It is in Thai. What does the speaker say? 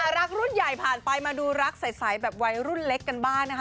รักรุ่นใหญ่ผ่านไปมาดูรักใสแบบวัยรุ่นเล็กกันบ้างนะคะ